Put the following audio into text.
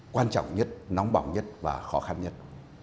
quan trọng nhất nóng bỏng nhất và khó khăn nhất